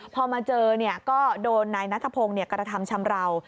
พอมาเจอก็โดนนายนัทพงศ์กระทำชำราว